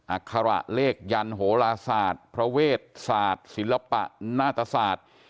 อัคระเลขยันโหลาศาสตร์พระเวชศาสตร์ศิลปะนาตศาสตร์